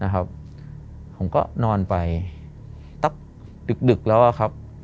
ผมก็นอนไปสักดึกแล้วครับ